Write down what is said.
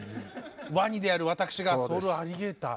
ワニである私がソウルアリゲーター。